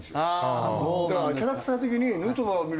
だからキャラクター的に。